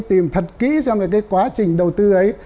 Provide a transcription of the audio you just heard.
tìm thật kỹ xem về cái quá trình đầu tư ấy